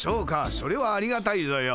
それはありがたいぞよ。